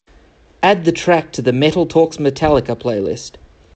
Add the track to the Metal Talks Metallica playlist.